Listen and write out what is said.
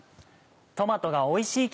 トマトがおいしい